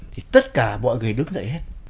thì tất cả mọi người đứng lại hết